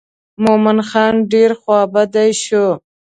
مومن خان ډېر خوا بډی شو.